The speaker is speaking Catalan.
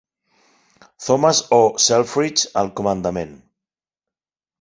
Thomas O. Selfridge al comandament.